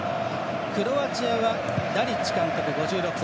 クロアチアはダリッチ監督、５６歳。